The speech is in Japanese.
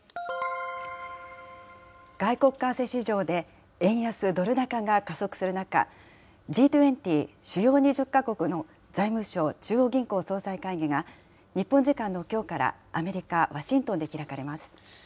外国為替市場で円安ドル高が加速する中、Ｇ２０・主要２０か国の財務相・中央銀行総裁会議が、日本時間のきょうから、アメリカ・ワシントンで開かれます。